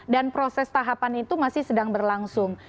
dan proses tahapan itu masih sedang berlangsung